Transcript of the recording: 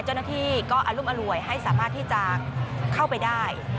เจ้าหน้าที่ก็อรุมอร่วยให้สามารถที่จะเข้าไปได้